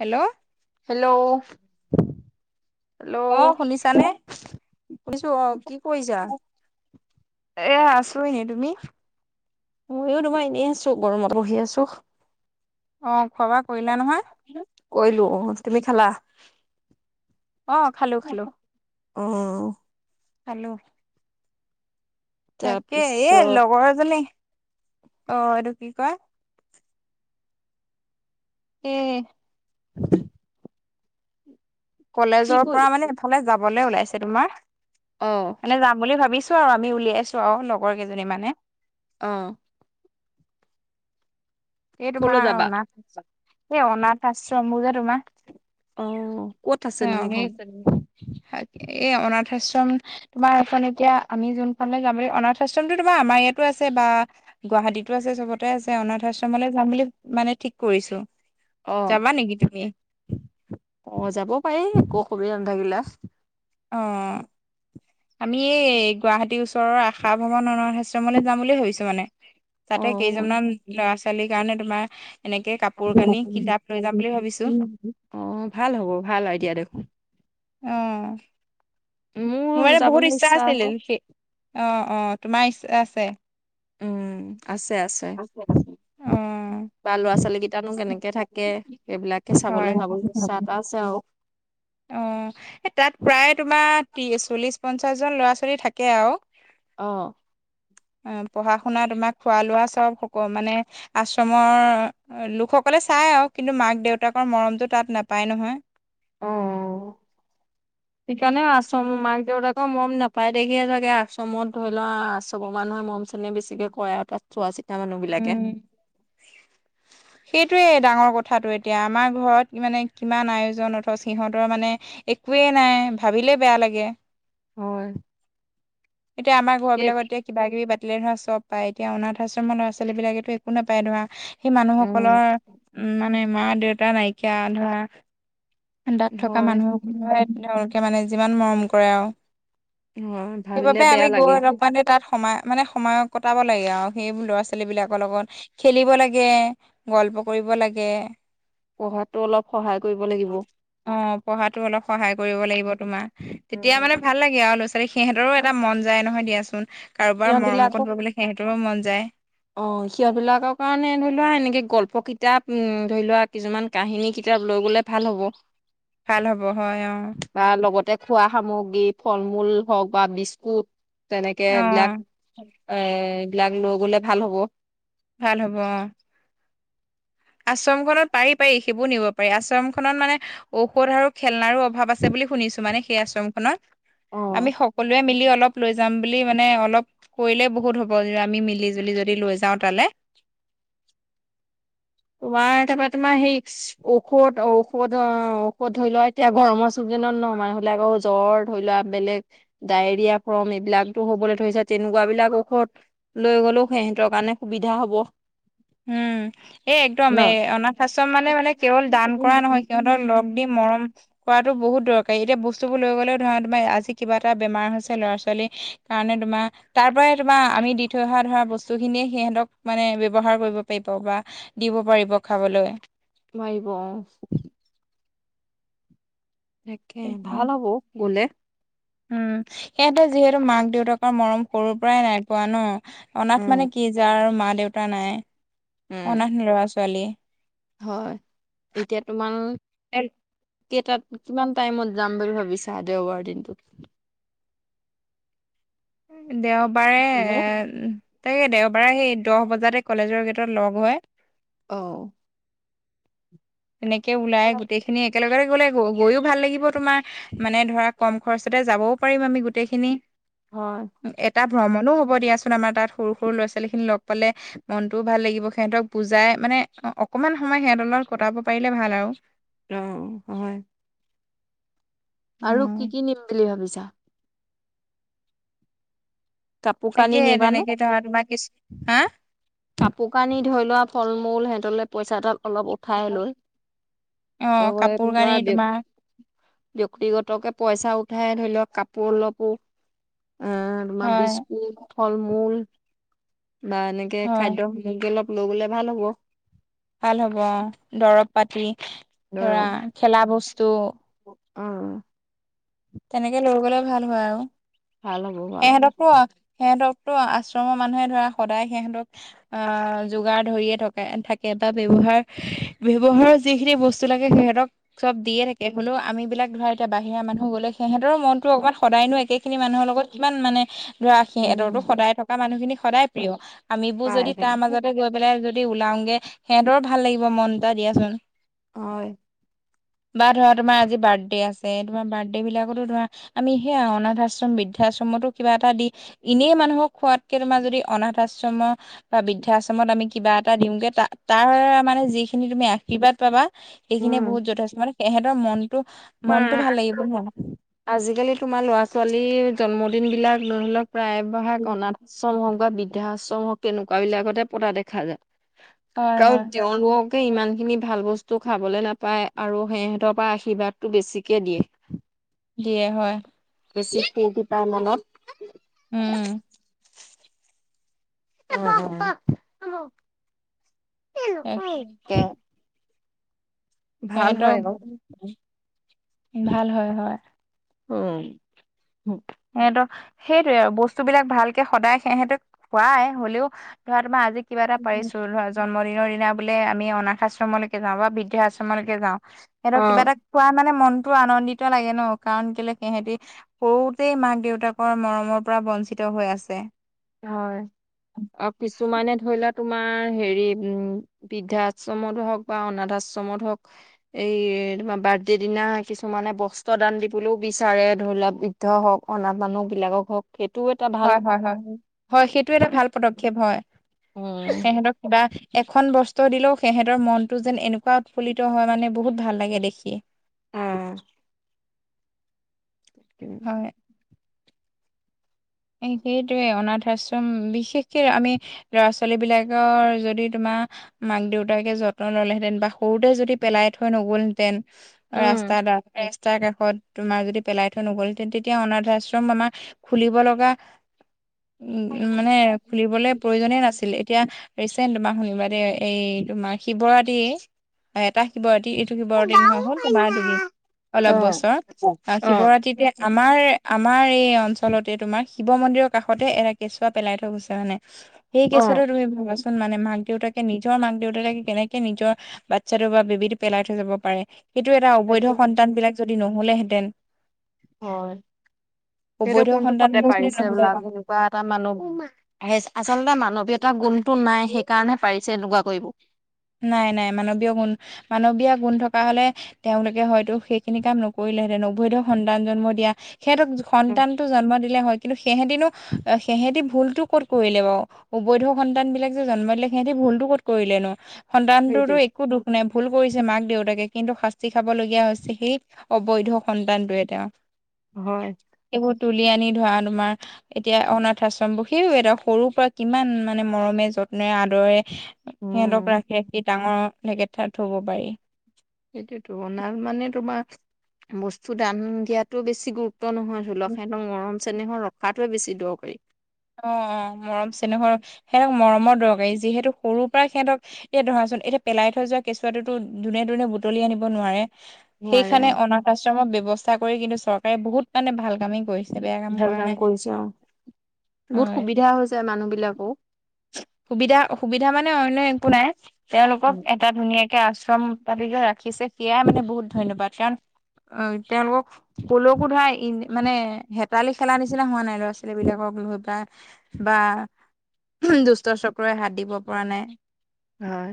Hello hello hello অ শুনিছানে শুনিছো অ' কি কৰিছা? এয়া আছো এনেই, তুমি? ময়ো তোমাৰ এনেই আছো, গৰমত বহি আছো। অ' খোৱা বোৱা কৰিলা নহয়? কৰিলো অ, তুমি খালা? অ' খালো খালো অ' খালো। তাকে এ তাৰপিছত লগৰ এজনী, অ' এইটো কি কয় এ [unintelligible] কি কলেজৰ কৰিল পৰা মানে এফালে যাবলৈ ওলাইছে তোমাৰ অ মানে যাম বুলি ভাবিছো আৰু আমি উলিয়াইছো আৰু লগৰ কেইজনী মানে। অ এই কলৈ তোমাৰ যাবা? অনাথ আশ্ৰম এই অনাথ আশ্ৰমবোৰ যে তোমাৰ অ ক'ত অ আছেনো ধেই সেইখন? আছে শাক এই অনাথ আশ্ৰম তোমাৰ এখন এতিয়া আমি যোনফালে যাম বুলি, অনাথ আশ্ৰমতো তোমাৰ আমাৰ ইয়াতো আছে বা গুৱাহাটীতো আছে চবতে আছে অনাথ আশ্ৰমলৈ যাম বুলি মানে ঠিক কৰিছো। অ যাবা নেকি তুমি? অ' যাব পাৰি একো অসুবিধা নাথাকিলে। অ আমি এই গুৱাহাটী ওচৰৰ আশা ভৱন অনাথ আশ্ৰমলৈ যাম বুলি ভাবিছো মানে। অ। তাতে কেইজনমান ল'ৰা ছোৱালীৰ কাৰণে তোমাৰ এনেকে কাপোৰ কানি, কিতাপ লৈ যাম বুলি ভাবিছো। অ' ভাল হ'ব ভাল আইদিয়া দেখোন। অ মোৰ মানে বহুত ইচ্ছা আছিল সে, অ'-অ' তোমাৰ ইচ্ছা আছে? উম, আছে আছে। উম, বা ল'ৰা ছোৱালী কেইটানো কেনেকে থাকে। সেইবিলাকে অ চাবলৈ যাবলৈ ইচ্ছা এটা আছে আৰু। অঁ' এই তাত প্ৰায় তোমাৰ ত্ৰিশ, চল্লিছ, পঞ্চাছজন ল'ৰা ছোৱালী থাকে আৰু। অঁ' অ', পঢ়া শুনা তোমাৰ খোৱা লোৱা চব সক মানে আশ্ৰমৰ লোকসকলে চাই আৰু, কিন্তু মাক দেউতাকৰ মৰমতটো তাত নাপায় নহয়। [inaudible] সেইকাৰণেও আশ্ৰম মাক দেউতাকৰ মৰম নাপায় দেখিয়ে চাগে আশ্ৰমত ধৰিলোৱা আশ্ৰমৰ মানুহে মৰম চেনেহ বেছিকে কৰে আৰু তাত চোৱা চিতা মানুহ বিলাকে। [inaudible] সেইটোৱেই ডাঙৰ কথাটো এতিয়া আমাৰ ঘৰত মানে কিমান আয়োজন, অথচ সিহঁতৰ মানে একোৱেই নাই, ভাবিলেই বেয়া লাগে। হয় এতিয়া আমাৰ ঘৰ সেই বিলাকত এতিয়া কিবা কিবি পাতিলে ধৰা চব পায়, এতিয়া অনাথ আশ্ৰমৰ ল'ৰা ছোৱালী বিলাকেতো একো নাপায় ধৰা। সেই মানুহসকলৰ উম উম মানে মা দেউতা নাইকিয়া ধৰা তাত থকা হয় মানুহবোৰে তেওঁলোকে মানে যিমান মৰম কৰে আৰু অ' ভাবিলে সেইবাবে আমি বেয়া গৈ লাগে। অলপ মানে তাত সোমায় মানে সময় কটাব লাগে আৰু সেইবোৰ ল'ৰা ছোৱা লী বিলাকৰ লগত খেলিব লাগে গল্প কৰিব লাগে। পঢ়াতো অলপ সহায় কৰিব লাগিব। অ' পঢ়াতো অলপ সহায় কৰিব লাগিব তোমাৰ তেতিয়া মানে ভাল লাগে আৰু। সিহঁতৰো এটা মন যায় নহয় দিয়াচোন কাৰোবাৰ সিহঁত মৰমঅকন বিলাকক লবলৈ সিহঁতৰো মন যায়। অ' সিহঁত বিলাকৰ কাৰণে ধৰি লোৱা এনেকে গল্প কিতাপ ধৰি লোৱা কিছুমান কাহিনী কিতাপ লৈ গ'লে ভাল হ'ব। ভাল হ'ব হয় অ'। তাৰ লগতে খোৱা সামগ্ৰী ফল মূল হওক বা বিস্কুট তেনেকে অ এইবিলাক। এবিলাক লৈ গলে ভাল হ'ব। ভাল হ'ব অ। আশ্ৰমখনত পাৰি পাৰি সেইবোৰ নিব পাৰি। আশ্ৰমখনত মানে ঔষধ আৰু খেলনাৰো অভাৱ আছে বুলি শুনিছোঁ মানে সেই আশ্ৰমখনত। অ আমি সকলোৱে মিলি অলপ লৈ যাম বুলি মানে অলপ কৰিলেই বহুত হ'ব আমি মিলি জুলি যদি লৈ যাওঁ তালৈ। তোমাৰ তাৰপৰা তোমাৰ সেই ঔষধ ঔষধ অ' ঔষধ ধৰি লোৱা এতিয়া গৰমৰ চিজনত ন মানুহ বিলাকৰ জ্বৰ ধৰি লোৱা বেলেগ ডায়েৰিয়া ফ্ৰৰ্ম এইবিলাকতো হ'বলৈ ধৰিছে তেনেকুৱা বিলাক ঔষধ লৈ গ'লেও সিহঁতৰ কাৰণে সুবিধা হ'ব। উম এ একদম ন এ অনাথ আশ্ৰম মানে মানে কেৱল দান কৰা নহয়, সিহঁতক লগ দি মৰম কৰাটো বহুত দৰকাৰী। এতিয়া বস্তুবোৰ লৈ গ'লেও ধৰা তোমাৰ আজি কিবা এটা বেমাৰ হৈছে ল'ৰা ছোৱালীৰ কাৰণে তোমাৰ তাৰ পৰাই তোমাৰ আমি দি থৈ অহা ধৰা বস্তু খিনিয়ে সিহঁত মানে ব্যবহাৰ কৰিব পাৰিব বা দিব পাৰিব খাবলৈ। পাৰিব অ' তাকে ভাল হ'ব গলে। উম সিহঁতে যিহেতু মাক -দেউতাকৰ মৰম সৰুৰ পৰাই নাই পোৱা ন অনাথ উম মানে কি যাৰ মা দেউতা নাই, অনাথ লৰা ছোৱালী। হয় এতিয়া তোমাৰ কেইটাত কিমান টাইমত যাম বুলি ভাবিছা, দেওবাৰৰ দিনটোত। দেওবাৰে এ তাকে দেওবাৰে সেই দহ বজাতে কলেজৰ গেটত লগ হয়। অ'। এনেকে ওলাই গোটেইখিনি একেলগতে গলে, গৈও ভাল লাগিব তোমাৰ মানে ধৰা কম খৰচতে যাবও পাৰিম আমি গোটেইখিনি। হয়। এটা ভ্ৰমণো হ'ব দিয়াচোন আমাৰ তাত সৰু সৰু ল'ৰা ছোৱালী খিনি লগ পালে। মনটোও ভাল লাগিব সিহঁতক বুজাই মানে অকমান সময় সিহঁতৰ লগত কটাব পাৰিলে ভাল আৰু। অ' হয়। আৰু কি কি নিম বুলি ভাবিছা? কাপোৰ কানি তাকে নিবানে? তেনেকে ধৰা তোমাৰ কিচো হা কাপোৰ কানি ধৰি লোৱা ফল মূল সিহঁতলে পইচা এটা অলপ ঠাই লৈ, অ চবৰে কাপোৰ কানি ধৰা। তোমাৰ ব্যক্তিগতকে পইচা উঠাই ধৰি লওঁক, কাপোৰ অলপো আ তোমাৰ হয় বিস্কুট, ফল মূল বা এনেকে হয় খাদ্য এনেকে অলপ লৈ গ'লে ভাল হ'ব। ভাল হ'ব দৰব পাতি ধৰা খেলা বস্তু। অ' তেনেকে লৈ গলে ভাল হয় আও, ভাল হ'ব ভাল হ'ব সিহঁতকো সিহঁতকতো আশ্ৰমৰ মানুহে ধৰা সদায় সিহঁতক আ যোগাৰ ধৰিয়ে থকা থাকে এটা ব্যৱহাৰ ব্যৱহাৰৰ যিখিনি ব বস্ত লাগে সিহঁতক চব দিয়ে থাকে, হ'লেও আমি বিলাক ধৰা এতিয়া বাহিৰা মানুহ গ'লে সিঁহতৰ মনটো অকণমান সদায়নো একে খিনি মানুহৰ লগত কিমান মানে, ধৰা উম সিহঁতৰো সদায় মানুহখিনি সদায় প্ৰিয় আমিবোৰ পাই যদি চাগে তাৰ মাজতে গৈ পেলাই যদি ওলাওগে, সিহঁতৰো ভাল লাগিব মনটা দিয়াচোন। হয়। বা ধৰা তোমাৰ আজি বাৰ্থডে আছে, তোমাৰ বাৰ্থডে বিলাক তো ধৰা আমি সেই অনাথ আশ্ৰম বৃদ্ধাশ্ৰমতো কিবা এটা দি এনেই মানুহক খোৱাতকে তোমাৰ যদি অনাথ আশ্ৰমৰ বা বৃদ্ধাশ্ৰমত আমি কিবা এটা দিওঁগে, তা তাৰ মানে যিখিনি তুমি আশীৰ্বাদ পাবা সেইখিনিয়ে বহুত উম যথেষ্ট মানে সিহঁতৰ মনটো মনটো ভাল লাগিব ন। আজিকালি তোমাৰ ল'ৰা ছোৱালীৰ জন্মদিন বিলাক, ধৰি লওক প্ৰায় ভাগ অনাথ আশ্ৰম হওক বা বৃদ্ধা আশ্ৰম হওক কেনেকুৱা বিলাকতে পতা দেখা যায়। হয় কাৰণ হয় তেওঁলোক কে ইমানখিনি ভাল বস্তু খাবলে নাপায় আৰু সিহঁতৰ পৰা আশীৰ্বাদটো বেছিকৈ দিয়ে। দিয়ে হয়। বেছি ফুৰ্টি পায় উম মনত। এক- [unintelligible] ভাল হেহেঁতক, হয় বাৰু ভাল হয় হয়। অ সিঁহতৰ সেইটোয়ে বস্তুবিলাক ভালকে সদায় সেহেঁতক, খুৱাই হলেও ধৰা তোমাৰ আজি কিবা এটা পাৰিছো ধৰা জন্মদিনৰ দিনা বোলে আমি অনাথ আশ্ৰমলৈকে যাওঁ বা বৃদ্ধা আশ্ৰমলৈক যাওঁ, সিহঁতক কিবা অ', এটা খোৱা মানে মনতো আনন্দিত লাগে ন, কাৰণ কেলে সিহেঁতি বহুত মাক দেউতাকৰ মৰমৰ পৰা বঞ্চিত হৈ আছে। হয় অ কিছুমানে ধৰি লোৱা তোমাৰ হেৰি উম বৃদ্ধা আশ্ৰমতো হওক বা অনাথ আশ্ৰমত হওক এই তোমাৰ বাৰ্থডে দিনা কিছুমানে বস্ত্ৰ দান দিবলৈও বিচাৰে ধৰিলোৱাক হওক অনাত মানুহ বিলাকক হওক সেইটোও এটা ভাল হয়-হয়-হয়-হয় সেইটো এটা ভাল পদক্ষেপ হয়। উম সিহঁতক কিবা এখন বস্তু দিলেও সিহঁতৰ মনটো যেন এনেকুৱা উৎফুল্লিত হয় মানে বহুত ভাল লাগে দেখি। অ। তাকে। হয়। সেইটোৱে অনাথ আশ্ৰম, বিশেষকে আমি ল'ৰা ছোৱালী বিলাকৰ যদি তোমাৰ মাক দেউতাকে যত্ন ল'লেহেঁতেন বা সৰুতে যদি পেলাই থৈ নগ'লহেতেন উম ৰাস্তা স্তাৰ কাষত তোমাৰ যদি পেলাই থৈ নগ'ল হেতেন, তেতিয়া অনাথ আশ্ৰম আমাৰ খুলিব লগা উ মানে খুলিবলে প্ৰয়োনে নাছিল। এতিয়া ৰিচেণ্ট তোমাক শুনিবা দে এই তোমাৰ শিৱৰাতি এটা শিৱৰাতি এইটো শিৱ নহয় হ'ল তোমাৰ দুদিন অ অলপ বছৰ, অ শিৱৰাত্ৰিতে আমাৰ আমাৰ এই অঞ্চলতে তোমাৰ শিৱ মন্দিৰৰ কাষতে এটা কেঁচুৱা পেলাই থৈ গৈছে মানে। সেই অ কেছুৱাতো তুমি ভাবাচোন, মানে মাক দেউতাকে নিজৰ মাক দেউতাকে কেনেকে নিজৰ বাচ্ছাটো বা বেবিতো পেলাই থৈ যাব পাৰে। সেইটো এটা অবৈধ তাকেহে সন্তান বিলাক যদি নহ'লেহেঁতেন হয় সেইটো অবৈধ কোনটো ফতে পাৰিছে সন্তান যিবিলাক এনেকুৱা এটা মানুহ আহ আচলতে মানৱীয়তাৰ গুণটো নাই সেইকাৰণহে পাৰিছে এনেকুৱা কৰিবো। নাই নাই মানৱীয় গুণ মানৱীয় গুণ থকা হ'লে তেওঁলোকে হয়তো সেইখিনি কাম নকৰিলেহেঁতেন। অবৈধ সন্তান জন্ম দিয়া সিহঁতক উম সন্তানটো জন্ম দিলে হয়, কিন্তু চিহঁতিনো সিহঁতি ভুলটো ক'ত কৰিলে বাৰু। অবৈধ সন্তান বিলাক যে জন্ম দিলে সিহঁতি ভুলতো ক'ত কৰিলে নো? সন্তানটোতো সেইটোৱে একো দুখ নাই। ভুল কৰিছে মাক দেউতাকে কিন্তু শাস্তি খাবলগীয়া হৈছে সেই অবৈধ সন্তানটোৱে তেওঁৰ। হয়। সেইবোৰ তুলি আনি ধৰা তোমাৰ এতিয়া অনাথ আশ্ৰমবোৰ সিও এটা সৰু পৰা কিমান মানে মৰমে, যত্নৰে, আদৰেৰে সিহঁতক উম ৰাখি ৰাখি ডাঙৰ তেনেকে ধৰা থবো পাৰি। সেইটোতো অনাথ মানে তোমাৰ বস্তু দান দিয়াটো বেছি গু তো নহয় ধৰি লওক, অ সিহঁতক মৰম চেনেহৰে ধৰি ৰখাতোৱে বেছি দৰকাৰী। অ অ মৰম চেনেহৰ সিহঁতক মৰমৰ দৰকাৰী, যিহেতু সৰুৰ পৰা সিহঁতক এতিয়া ধৰাচোন এতিয়া পেলাই থৈ যোৱা কেঁচুৱা টোতোনে ধ দুনে বুটলি আনিব নোৱাৰে। নোৱাৰে সেইখানে অ অনাথ আশ্ৰমৰ ব্যৱস্থা কৰি কিন্তু চৰকাৰে বহুত মানে ভাল কামেই কৰিছে। বেয়া ভাল কৰা কাম নাই কৰিছো অ, বহুত হয় সুবিধা হৈছে মানুহ বিলাকোৰো। সুবিধা, সুবিধা মানে অন্য একো নাই তেওঁলোকক এটা ধুনীয়াকে আশ্ৰম পাতি যে ৰাখিছে সেয়াই মানে বহুত ধন্যবাদ কাৰণ তেওঁলোকক পোলকো ধৰা ই মানে হেতালি খেলা নিচিনা হোৱা নাই ল'ৰা-ছোৱালী বিলাকক লৈ পেলাই বা দুষ্ট চক্ৰই হাত দিব পৰা নাই। হয়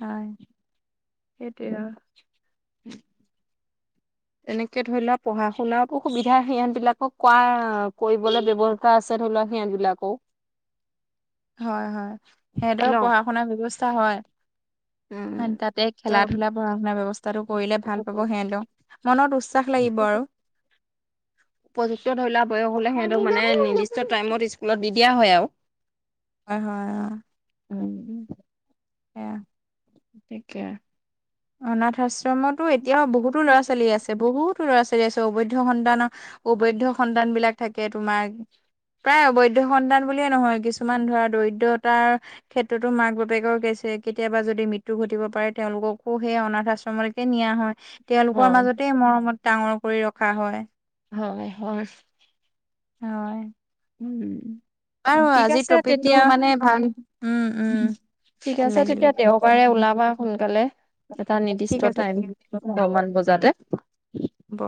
হয় সেইটোৱে আৱ [unintelligible] এনেকে ধৰিলোৱা পঢ়া-শুনাৰো সুবিধা সিহঁত বিলাকক কোৱা কৰিবলৈ ব্যৱ ত আছে ধৰিলোৱা সিহঁত বিলাকও হয় হয় ন সেতৰ পঢ়া শুনাৰ ব্যৱস্থা হয় উম তাতে খেলা-ধূলা, পঢ়া-শুনা ব্যৱস্থাটো কৰিলে ভাল পাব সিহঁতেও। মনত উৎসাহ লাগিব আৰু উপযুক্ত ধৰি লোৱা বয়স হলে সেতক মানে নিৰ্দিষ্ট টাইমত স্কুলত দি দিয়া হয় আও হয় হয় অ উম এয়া থিকে অনাথ আশ্ৰমতো এতিয়াও বহুতো ল'ৰা- ছোৱালী আছে বহুত তো ল'ৰা-ছোৱালী আছে অবৈধ সন্তানৰ অবৈধ সন্তান বিলাক থাকে তোমাৰ প্ৰায় অবৈধ সন্তান বুলিয়ে নহয় কিছুমান ধৰা দৰিদ্ৰতাৰ ক্ষেত্ৰতো মাক-বাপেকৰ গেইছে কেতিয়াবা যদি মৃত্যু ঘটিব পাৰে তেওঁলোকক আকো সেই অনাথ আশ্ৰমলৈকে নিয়া হয়। তেওঁলোকৰ হয় মাজতে মৰমত ডাঙৰ কৰি ৰখা হয়। হয় হয় হয় উম আৰু ঠিক আজিৰ আছে তেতিয়া টপিকটো মানে ভাল, উম উম ঠিক ভাল আছে লাগিলে তেতিয়া দেওবাৰে ওলাবা সোনকালে। এটা ঠিক নিৰ্দিষ্ট আছে টাইম ঠিক আছে, দহমান বজাতে হ'ব